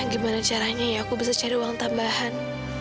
gimana caranya ya aku bisa cari uang tambahan